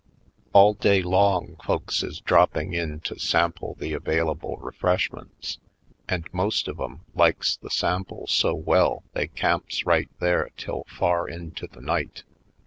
All day long folks is dropping in to sample the available refreshments and most of 'em likes the sample so well they camps right there till far into the night.